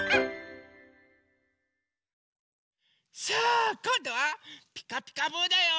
さあこんどは「ピカピカブ！」だよ。